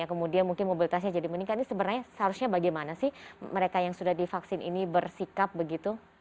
kemudian mungkin mobilitasnya jadi meningkat ini sebenarnya seharusnya bagaimana sih mereka yang sudah divaksin ini bersikap begitu